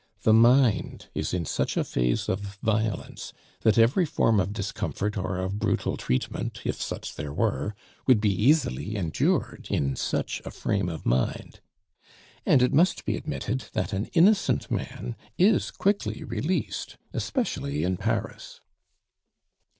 The mind is in such a phase of violence that every form of discomfort or of brutal treatment, if such there were, would be easily endured in such a frame of mind. And it must be admitted that an innocent man is quickly released, especially in Paris.